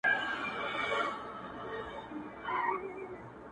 کتاب د سړیتوب دي په معنا ویلی نه دی,